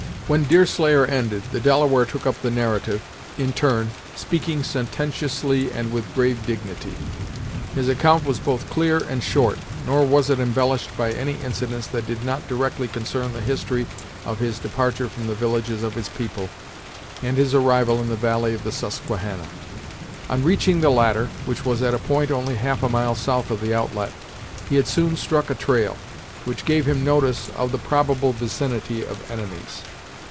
When Deerslayer ended, the Delaware took up the narrative, in turn, speaking sententiously and with grave dignity. His account was both clear and short, nor was it embellished by any incidents that did not directly concern the history of his departure from the villages of his people, and his arrival in the valley of the Susquehannah. On reaching the latter, which was at a point only half a mile south of the outlet, he had soon struck a trail, which gave him notice of the probable vicinity of enemies.